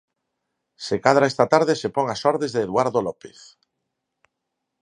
Se cadra esta tarde se pon ás ordes de Eduardo López.